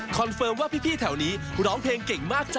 เฟิร์มว่าพี่แถวนี้ร้องเพลงเก่งมากจ้